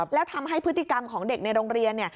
แล้วทำให้พฤติกรรมของเด็กในโรงเรียน